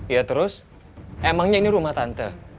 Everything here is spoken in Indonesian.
ya terus emangnya ini rumah tante